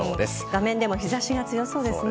画面でも日差しが強そうですね。